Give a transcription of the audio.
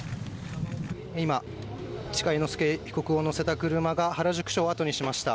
今、市川猿之助被告を乗せた車が原宿署をあとにしました。